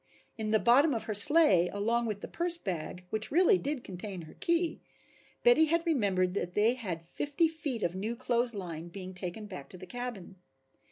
In the bottom of her sleigh along with the purse bag which really did contain her key, Betty had remembered that they had fifty feet of new clothes line being taken back to the cabin.